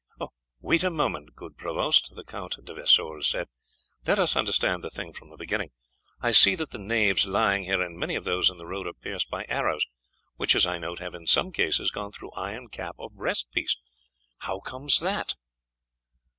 "Wait a moment, good provost," the Count de Vesoul said, "let us understand the thing from the beginning. I see that the knaves lying here and many of those in the road are pierced by arrows, which, as I note, have in some cases gone through iron cap or breast piece; how comes that?"